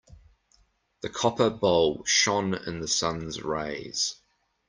The copper bowl shone in the sun's rays.